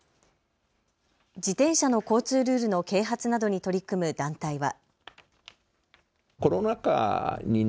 自転車の交通ルールの啓発などに取り組む団体は。